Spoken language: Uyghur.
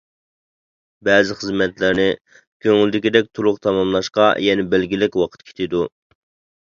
بەزى خىزمەتلەرنى كۆڭۈلدىكىدەك، تولۇق تاماملاشقا يەنە بەلگىلىك ۋاقىت كېتىدۇ.